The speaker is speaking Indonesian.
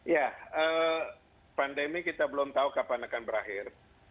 ya pandemi kita belum tahu kapan akan berakhir